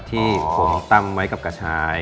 ที่ผมตั้งไว้กับกระชาย